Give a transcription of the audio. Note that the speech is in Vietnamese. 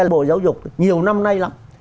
bộ giáo dục nhiều năm nay lắm